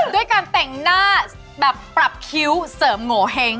ด้วยการแต่งหน้าแบบปรับคิ้วเสริมโงเห็ง